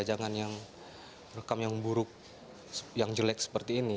jangan yang rekam yang buruk yang jelek seperti ini